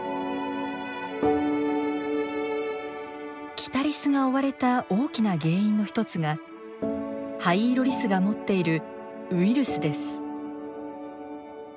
キタリスが追われた大きな原因の一つがハイイロリスが持っているウイルスです。